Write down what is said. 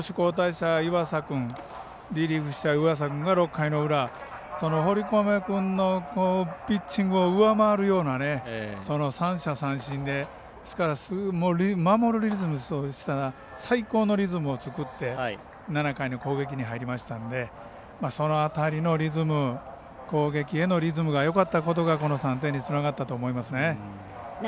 リリーフした岩佐君が６回の裏、堀米君のピッチングを上回るようなその３者三振ですから守るリズムからしたら最高のリズムを作って７回の攻撃に入りましたのでその辺りのリズム攻撃へのリズムがよかったことがこの３点につながったと思いますね。